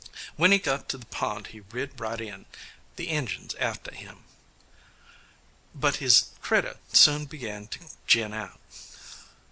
When he got to the pond he rid right in, the Injuns a'ter him, but his critter soon began to gin out.